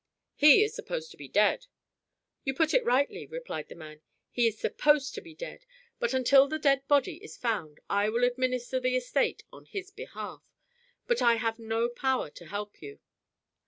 "He is supposed to be dead." "You put it rightly," replied the man. "He is supposed to be dead, but until his dead body is found I will administer the estate on his behalf. But I have no power to help you."